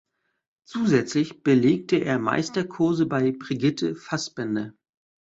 Zusätzlich belegte er Meisterkurse bei Brigitte Fassbaender.